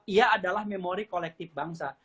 ia adalah memori kolektif bangsa